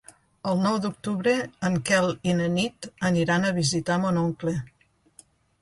El nou d'octubre en Quel i na Nit aniran a visitar mon oncle.